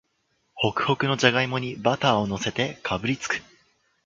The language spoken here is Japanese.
ホクホクのじゃがいもにバターをのせてかぶりつく